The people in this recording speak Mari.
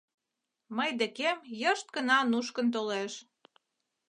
Мый декем йышт гына нушкын толеш.